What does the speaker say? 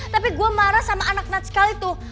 tapi gue marah sama anak natskal itu